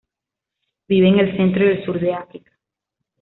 Vive en el centro y el sur de África.